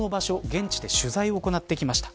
現地で取材を行ってきました。